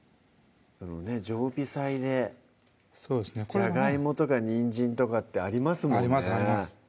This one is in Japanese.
常備菜でじゃがいもとかにんじんとかってありますもんねありますあります